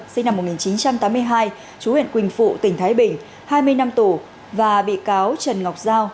sinh năm một nghìn chín trăm tám mươi hai chú huyện quỳnh phụ tỉnh thái bình hai mươi năm tù và bị cáo trần ngọc giao